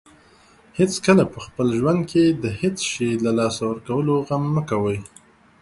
هیڅکله په خپل ژوند کې د هیڅ شی له لاسه ورکولو غم مه کوئ.